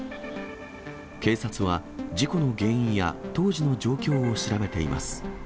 警察は事故の原因や、当時の状況を調べています。